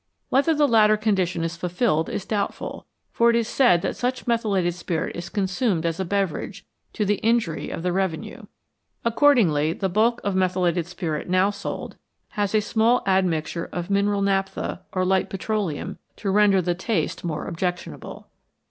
Whether the latter condition is fulfilled is doubtful, for it is said that such methylated spirit is consumed as a beverage, to the injury of the revenue. Accordingly, the bulk of methylated spirit now sold has a small admixture of mineral naphtha or light petroleum to render the taste more objectionable.